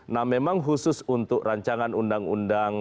nah memang khusus untuk rancangan undang undang